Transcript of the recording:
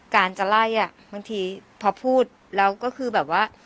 การจะไล่อ่ะบางทีพอพูดแล้วก็คือแบบว่า